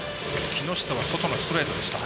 木下は外のストレートでした。